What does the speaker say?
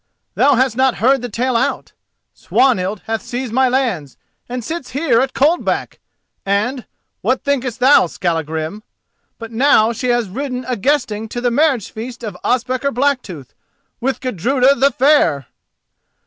Thou hast not heard the tale out. Swanhild hath seized my lands and sits here at Coldback! And—what thinkest thou, Skallagrim?—but now she has ridden a guesting to the marriage feast of Ospakar Blacktooth with Gudruda the Fair!